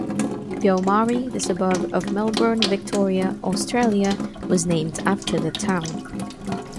Beaumaris, the suburb of Melbourne, Victoria, Australia was named after the town.